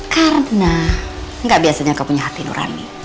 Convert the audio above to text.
karena gak biasanya kau punya hati nurani